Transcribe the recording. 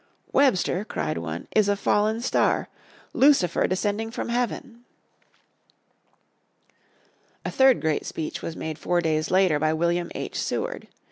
"Webster," cried one, "is a fallen star! Lucifer descending from heaven!" A third great speech was made four days later by William H. Seward.